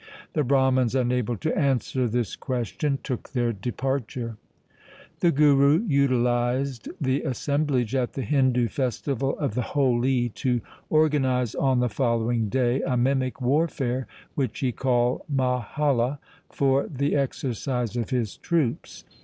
The Brahmans, unable to answer this question, took their departure. The Guru utilized the assemblage at the Hindu festival of the Holi to organize on the following day a mimic warfare, which he called mahalla, 1 for the exercise of his troops.